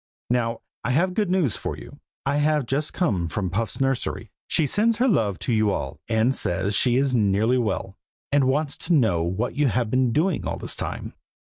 Now I have good news for you. I have just come from Puff's nursery; she sends her love to you all, and says she is nearly well, and wants to know what you have been doing all this time."